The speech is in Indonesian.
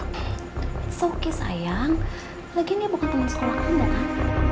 it's okay sayang lagian dia bukan temen sekolah kamu kan